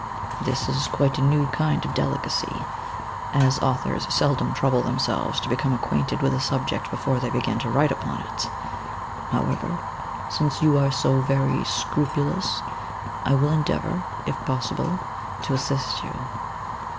This is quite a new kind of delicacy ; as authors sel dom trouble themselves to become acquainted with a subject before they begin to write upon it. However, since you are so very scrupulous, I will endeavour, if possible, to assist you.